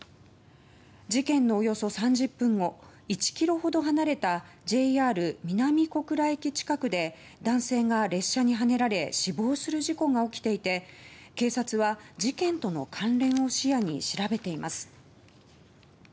事件のおよそ３０分後１ｋｍほど離れたＪＲ南小倉駅近くで男性が列車にはねられ死亡する事故が起きていて警察は事件との関連を視野に調べています。